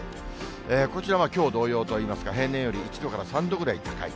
こちらはきょう同様といいますか、平年より１度から３度ぐらい高い。